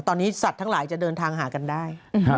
ตอนนี้สัตว์ทั้งหลายจะเดินทางหากันได้